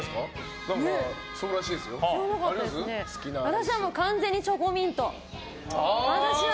私は、完全にチョコミント。